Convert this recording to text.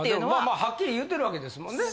まあハッキリ言うてるわけですもんね？